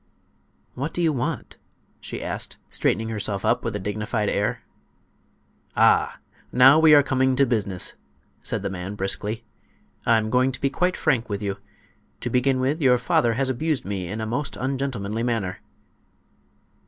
"What do you want?" she asked, straightening herself up with a dignified air. "Ah!—now we are coming to business," said the man, briskly. "I'm going to be quite frank with you. To begin with, your father has abused me in a most ungentlemanly manner."